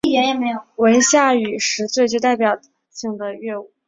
为夏禹时最具代表性的乐舞。